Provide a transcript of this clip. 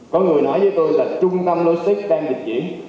có người nói với tôi là trung tâm logistics đang dịch diễn